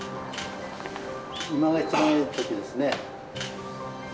今が一番いいときですね。